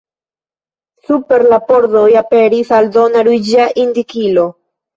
Super la pordoj aperis aldona ruĝa indikilo.